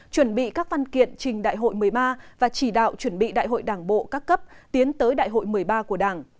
chuẩn bị các văn kiện trình đại hội một mươi ba và chỉ đạo chuẩn bị đại hội đảng bộ các cấp tiến tới đại hội một mươi ba của đảng